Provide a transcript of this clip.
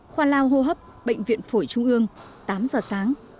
khoa lao hô hấp bệnh viện phổi trung ương tám giờ sáng